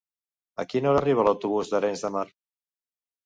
A quina hora arriba l'autobús d'Arenys de Mar?